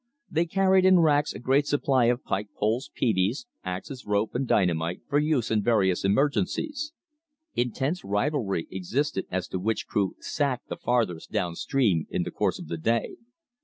They carried in racks a great supply of pike poles, peaveys, axes, rope and dynamite, for use in various emergencies. Intense rivalry existed as to which crew "sacked" the farthest down stream in the course of the day.